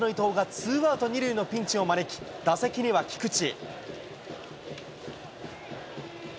先発の伊藤がツーアウト２塁のピンチを招き、打席には菊池。